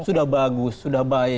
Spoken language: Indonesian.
sudah bagus sudah baik